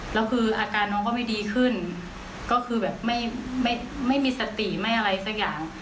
แล้วคืออาการน้องก็ไม่ดีขึ้นก็คือแบบไม่มีสติไม่อะไรสักอย่าง